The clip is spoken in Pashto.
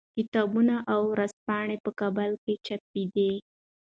کتابونه او ورځپاڼې په کابل کې چاپېدې.